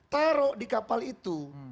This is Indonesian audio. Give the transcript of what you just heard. taruh di kapal itu